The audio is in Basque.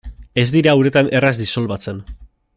Ez dira uretan erraz disolbatzen.